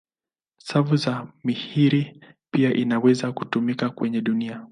Safu za Mirihi pia zinaweza kutumika kwenye dunia.